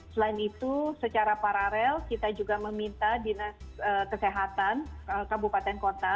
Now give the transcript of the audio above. selain itu secara paralel kita juga meminta dinas kesehatan kabupaten kota